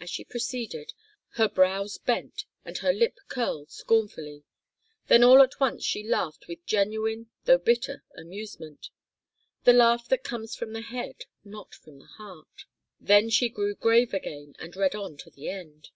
As she proceeded, her brows bent, and her lip curled scornfully. Then all at once she laughed with genuine, though bitter, amusement the laugh that comes from the head, not from the heart. Then she grew grave again and read on to the end.